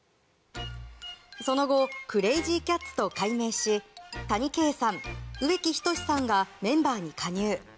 その後クレイジー・キャッツと改名し谷啓さん、植木等さんがメンバーに加入。